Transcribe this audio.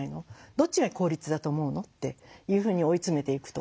どっちが効率だと思うの？」っていうふうに追い詰めていくとか。